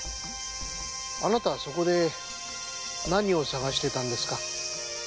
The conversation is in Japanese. あなたはそこで何を探してたんですか？